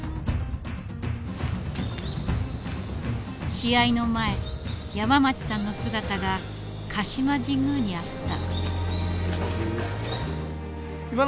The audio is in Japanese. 試合の前山町さんの姿が鹿島神宮にあった。